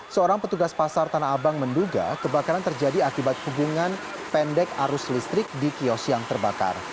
seorang petugas pasar tanah abang menduga kebakaran terjadi akibat hubungan pendek arus listrik di kios yang terbakar